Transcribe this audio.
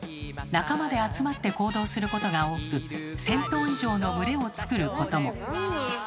仲間で集まって行動することが多く１，０００頭以上の群れをつくることも。